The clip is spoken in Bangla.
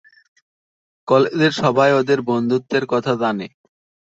কলেজের সবাই ওদের বন্ধুত্বের কথা জানে।